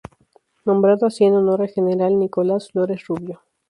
Nombrado así en honor al general Nicolás Flores Rubio.